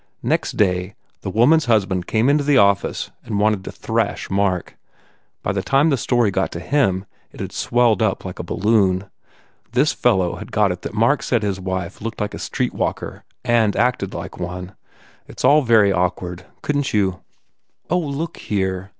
Next day the woman s husband came into the office and wanted to thrash Mark. By the time the story got to him it had swelled up like a balloon. This fellow had got it that Mark said his wife looked like a streetwalker and acted like one. It s all very awkward. Couldn t you " "Oh, look here!